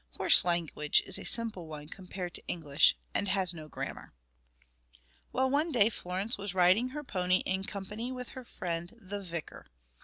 Horse language is a simple one compared to English, and has no grammar. Well, one day Florence was riding her pony in company with her friend the vicar.